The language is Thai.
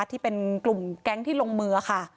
ที่เป็นกลุ่มแก๊งที่ลงมือค่ะ